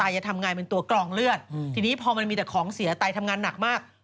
จะทำงานเป็นตัวกรองเลือดทีนี้พอมันมีแต่ของเสียไตทำงานหนักมาก